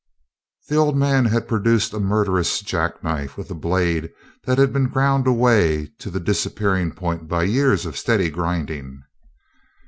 The old man had produced a murderous jackknife with a blade that had been ground away to the disappearing point by years of steady grinding.